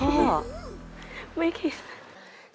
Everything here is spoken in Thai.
ไม่คิด